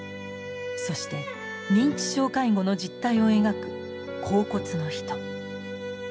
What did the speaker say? そして認知症介護の実態を描く「恍惚の人」。